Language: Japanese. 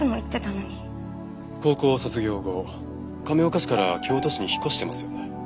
高校卒業後亀岡市から京都市に引っ越してますよね？